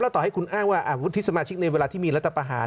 ต่อให้คุณอ้างว่าวุฒิสมาชิกในเวลาที่มีรัฐประหาร